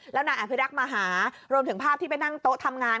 แล้วนายอภิรักษ์มาหารวมถึงภาพที่ไปนั่งโต๊ะทำงาน